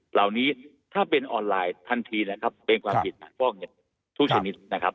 เหล่านี้ถ้าเป็นออนไลน์ทันทีเบงความผิดป้องเงินทุกชนิด